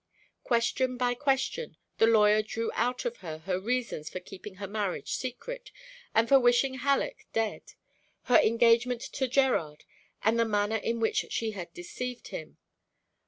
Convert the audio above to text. Question by question, the lawyer drew out of her her reasons for keeping her marriage secret and for wishing Halleck dead, her engagement to Gerard and the manner in which she had deceived him.